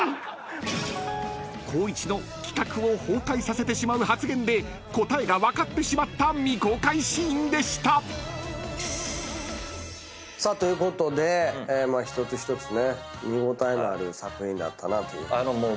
［光一の企画を崩壊させてしまう発言で答えが分かってしまった未公開シーンでした］ということで一つ一つ見応えのある作品だったなという。